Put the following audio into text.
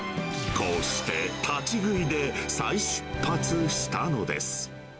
こうして、立ち食いで再出発したのです。